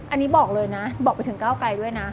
อันนี้บอกเลยนะบอกไปถึงก้าวไกลด้วยนะ